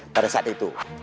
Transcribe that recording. pada saat itu